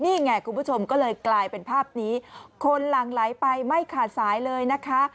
นี่ไงคุณผู้ชมก็เลยกลายเป็นภาพนี้คนหลั่งไหลไปไม่ขาดสายเลยนะคะ